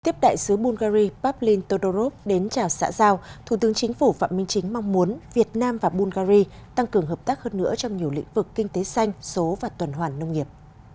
tiếp đại sứ bulgari pavlin todorov đến chào xã giao thủ tướng chính phủ phạm minh chính mong muốn việt nam và bulgari tăng cường hợp tác hơn nữa trong nhiều lĩnh vực kinh tế xanh số và tuần hoàn nông nghiệp